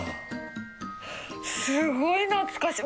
すごい懐かしい。